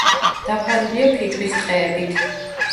დაფარულია ფიჭვის ტყეებით.